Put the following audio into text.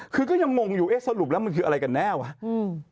คือก็ยังงงอยู่เอ๊ะสรุปแล้วมันคืออะไรกันแน่วะอืม